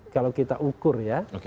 kalau kita ukur ya